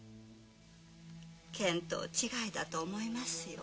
見当違いだと思いますよ。